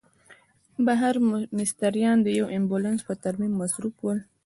بهر مستریان د یوه امبولانس په ترمیم مصروف ول.